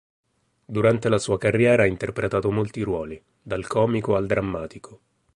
Durante la sua carriera ha interpretato molti ruoli, dal comico al drammatico.